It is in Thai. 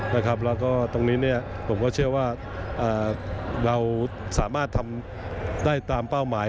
แล้วก็ตรงนี้ผมก็เชื่อว่าเราสามารถทำได้ตามเป้าหมาย